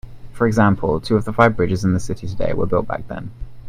For example, two of the five bridges in the city today were built back then.